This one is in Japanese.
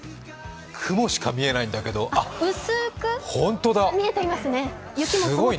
雲しか見えないんだけどあっ